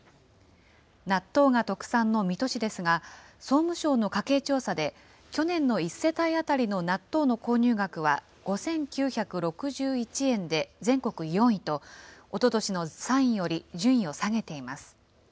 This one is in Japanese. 納豆が特産の水戸市ですが、総務省の家計調査で、去年の１世帯当たりの納豆の購入額は５９６１円で全国４位と、おととしの３位より順位を下げています。